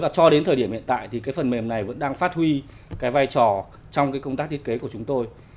cho đến thời điểm hiện tại thì cái phần mềm này vẫn đang phát huy cái vai trò trong cái công tác thiết kế của chúng tôi